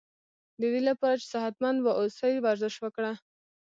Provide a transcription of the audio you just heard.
ددی لپاره چی صحت مند و اوسی ورزش وکړه